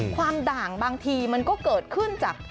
ด่างบางทีมันก็เกิดขึ้นจาก